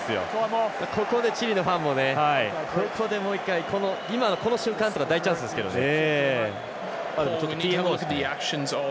ここでチリのファンもここで、もう一回今のこの瞬間って大チャンスですけどね。